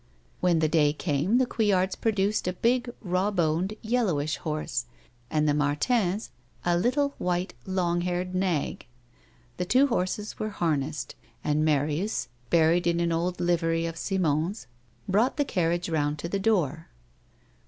When the day came tlie Couillards produced a big, raw boned, yellowish horse, and the Martins a little, white, long haired nag ; the two horses were harnessed, and Marius, buried in an old livery of Simon's, brought the carriage round to the door.